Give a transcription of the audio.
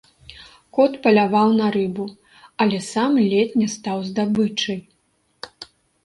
Кот паляваў на рыбу, але сам ледзь не стаў здабычай.